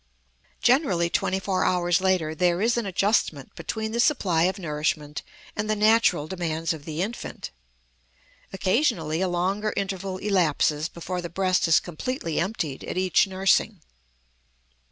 Generally twenty four hours later there is an adjustment between the supply of nourishment and the natural demands of the infant. Occasionally a longer interval elapses before the breast is completely emptied at each nursing.